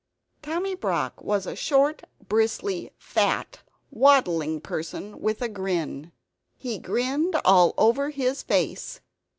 Tommy Brock was a short bristly fat waddling person with a grin; he grinned all over his face.